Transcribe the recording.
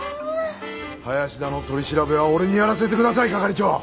林田の取り調べは俺にやらせてください係長！